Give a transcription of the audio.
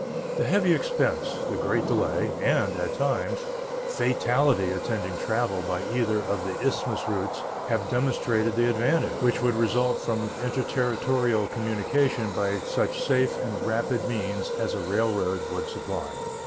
The heavy expense, the great delay, and, at times, fatality attending travel by either of the Isthmus routes have demonstrated the advantage which would result from interterritorial communication by such safe and rapid means as a railroad would supply.